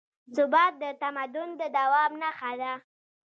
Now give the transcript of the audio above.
ثبات د تمدن د دوام نښه ده.